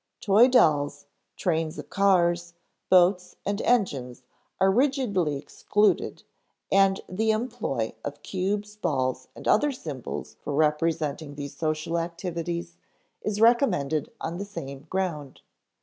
Toy dolls, trains of cars, boats, and engines are rigidly excluded, and the employ of cubes, balls, and other symbols for representing these social activities is recommended on the same ground.